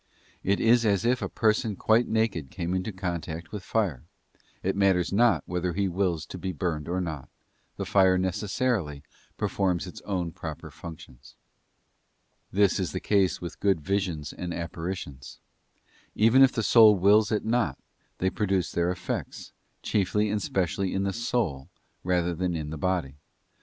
It is as if a person quite naked came into contact with fire: it matters not whether he wills to be burned or not, the fire necessarily performs its own proper functions. This is the case with good visions and apparitions: even if the soul wills it not, they produce their effects, chiefly and specially in the soul rather than in the body.